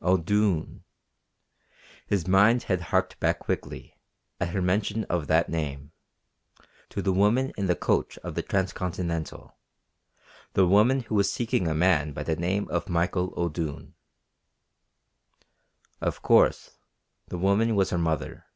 O'Doone! His mind had harked back quickly, at her mention of that name, to the woman in the coach of the Transcontinental, the woman who was seeking a man by the name of Michael O'Doone. Of course the woman was her mother.